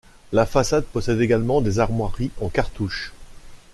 La facade possède également des armoiries en cartouches.